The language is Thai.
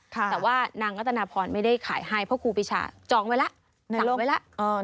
แต่ว่านางรัตนาพรไม่ได้ขายให้เพราะครูปีชาจองไว้แล้วสั่งไว้แล้ว